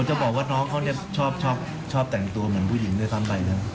อาจจะบอกว่าน้องเขาเนี่ยชอบชอบชอบแต่งตัวเหมือนผู้หญิงด้วยตามไปนะ